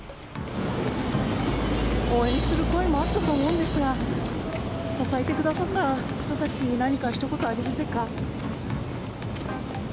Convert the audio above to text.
応援する声もあったと思うんですが、支えてくださった人たちに、何かひと言ありませんか？